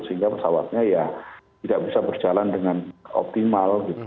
sehingga pesawatnya ya tidak bisa berjalan dengan optimal gitu